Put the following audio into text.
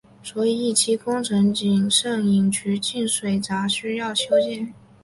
所以一期工程仅剩引渠进水闸需要修建。